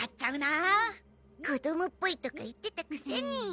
子どもっぽいとか言ってたくせに。